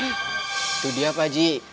itu dia baji